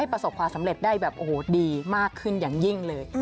ประสบความสำเร็จได้แบบโอ้โหดีมากขึ้นอย่างยิ่งเลย